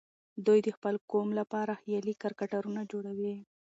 دوی د خپل قوم لپاره خيالي کرکټرونه جوړوي.